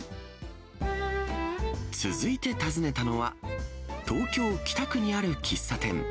続いて訪ねたのは、東京・北区にある喫茶店。